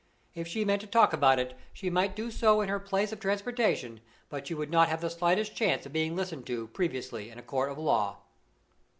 If she meant to talk about it she might do so in her place of transportation, but she would not have the slightest chance of being listened to previously in a court of law.